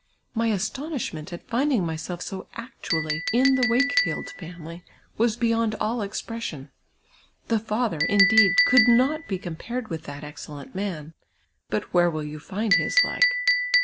My astonishment at findinir myself so actually in the "Wakefield family was beyond all exi)rcssion. The father, indeed, could not be com])ared with that excellent man ; but where will you find his like